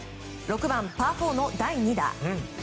６番、パー４の第２打。